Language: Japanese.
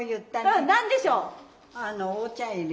うん何でしょう？